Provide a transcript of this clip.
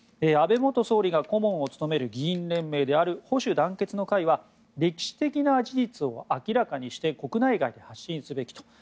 安倍元総理が顧問を務める議員連盟である保守団結の会は歴史的な事実を明らかにして国内外で発信すべき。